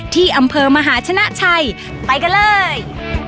ที่อำเภอมหาชนะชัยไปกันเลย